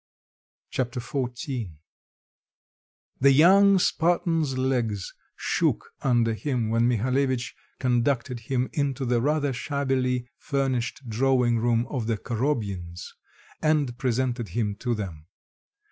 Chapter XIV The young Spartan's legs shook under him when Mihalevitch conducted him into the rather shabbily furnished drawing room of the Korobyins, and presented him to them.